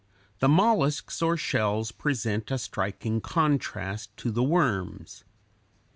] The mollusks or shells present a striking contrast to the worms.